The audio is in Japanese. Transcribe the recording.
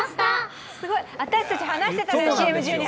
私たち、話してたんです、ＣＭ中に！